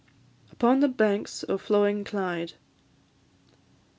UPON THE BANKS O' FLOWING CLYDE.